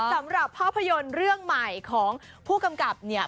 สำหรับภาพยนตร์เรื่องใหม่ของผู้กำกับเนี่ย